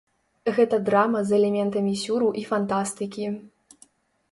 Гэта драма з элементамі сюру і фантастыкі.